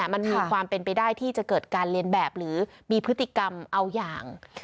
มันมีความเป็นไปได้ที่จะเกิดการเรียนแบบหรือมีพฤติกรรมเอาอย่าง